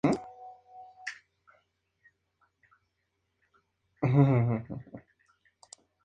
Abunda una buena fauna.